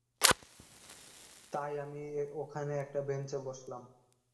তাই আমি ওখানে একটা বেঞ্চে বসলাম।